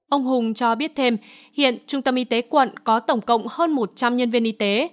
ông hùng cho biết thêm hiện trung tâm y tế quận có tổng cộng hơn một trăm linh nhân viên y tế